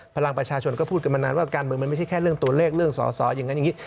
พลังประชาชนก็พูดกันมานานว่าการเมืองมันไม่ใช่แค่เรื่องตัวเลขเรื่องสอสออย่างนั้นอย่างนี้